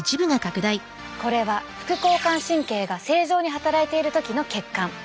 これは副交感神経が正常に働いている時の血管。